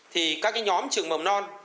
thì các nhóm trường mầm non